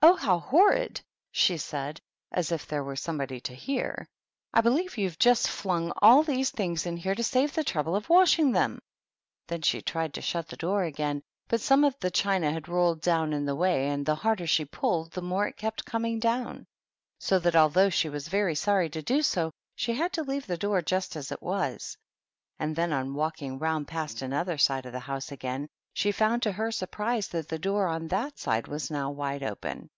" Oh, how horrid I" she said, as if there were somebody to hear ;" I believe you've just flung 56 THE TEA TABLE. all these things in here to save the trouble of washing them !'' Then she tried to shut the door again, but some of the china had rolled down in the way, and the harder she pulled, the more it kept coming down; so that, although she was very sorry to do so, she had to leave the door just as it was. And then, on walking round past another side of the house again, she found to her sur prise that the door on that side was now wide open.